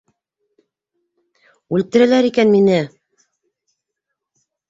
Үлтерәләр икән мине!